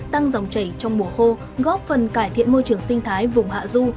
tăng dòng chảy trong mùa khô góp phần cải thiện môi trường sinh thái vùng hạ du